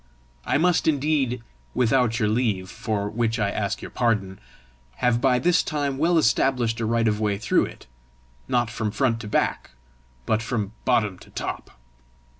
I must indeed without your leave, for which I ask your pardon have by this time well established a right of way through it not from front to back, but from bottom to top!"